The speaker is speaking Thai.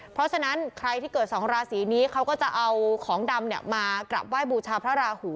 เพราะฉะนั้นใครที่เกิดสองราศีนี้เขาก็จะเอาของดำมากราบไหว้บูชาพระราหู